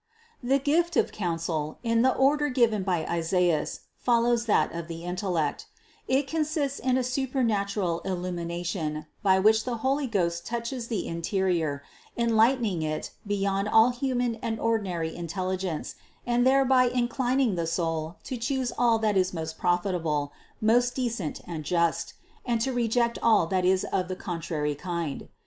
The gift of counsel, in the order given by Isaias, follows that of the intellect ; it consists in a supernatural illumination, by which the Holy Ghost touches the interior, enlightening it beyond all human and ordinary intelligence and thereby inclining the soul to choose all that is most profitable, most decent and just, and to reject all that is of the contrary kind.